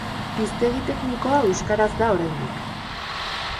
Hiztegi teknikoa euskaraz da oraindik.